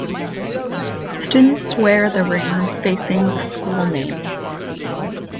Students wear the ring facing the school name.